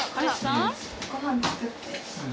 ご飯作って。